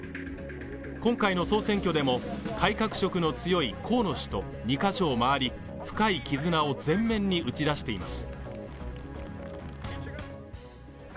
今回の総選挙でも改革色の強い河野氏と２カ所を回り深い絆を前面に打ち出しています